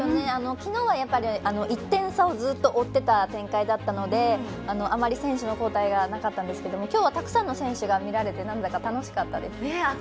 きのうは１点差をずっと追ってた展開だったのであまり選手の交代がなかったんですけどきょうはたくさんの選手が見られてなんだか楽しかったです。